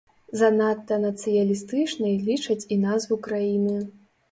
Занадта нацыяналістычнай лічаць і назву краіны.